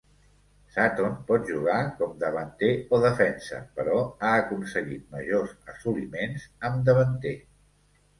Sutton pot jugar com davanter o defensa, però ha aconseguit majors assoliments amb davanter.